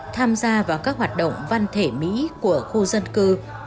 tham gia vào các hoạt động văn thể mỹ của khu dân cư